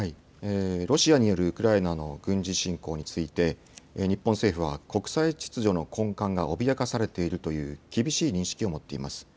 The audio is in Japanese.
ロシアによるウクライナへの軍事侵攻について、日本政府は国際秩序の根幹が脅かされているという厳しい認識を持っています。